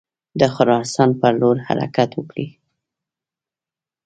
د خراسان پر لور حرکت وکړي.